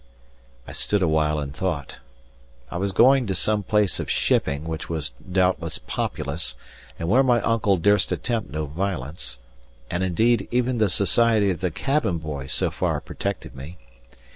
* Unwilling. I stood awhile and thought. I was going to some place of shipping, which was doubtless populous, and where my uncle durst attempt no violence, and, indeed, even the society of the cabin boy so far protected me.